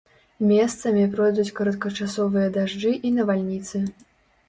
Месцамі пройдуць кароткачасовыя дажджы і навальніцы.